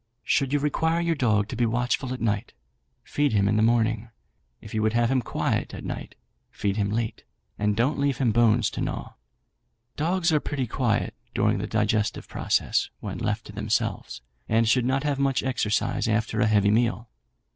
"Should you require your dog to be watchful at night, feed him in the morning; if you would have him quiet at night, feed him late, and don't leave him bones to gnaw. Dogs are pretty quiet, during the digestive process, when left to themselves, and should not have much exercise after a heavy meal.